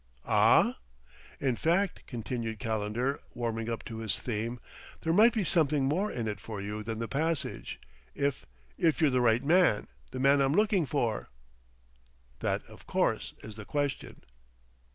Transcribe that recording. "Ah?" "In fact," continued Calendar, warming up to his theme, "there might be something more in it for you than the passage, if if you're the right man, the man I'm looking for." "That, of course, is the question."